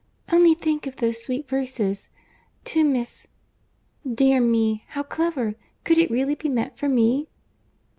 Only think of those sweet verses—'To Miss ———.' Dear me, how clever!—Could it really be meant for me?"